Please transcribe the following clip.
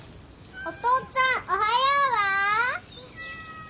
お父っつぁん「おはよう」は？